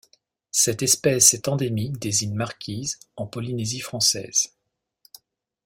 Cette espèce est endémique des îles Marquises en Polynésie française.